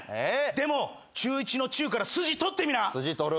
でも「中一」の「中」から筋取ってみな。